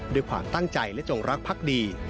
ด้วยความตั้งใจและจงรักพักดี